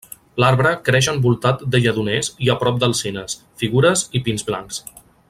L'arbre creix envoltat de lledoners i a prop d'alzines, figures i pins blancs.